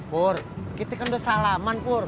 bu kita kan udah salaman bu